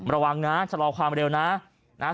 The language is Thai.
ระวังนะจะรอความเร็วนะ